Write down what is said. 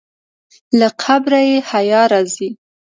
له قبره یې حیا راځي.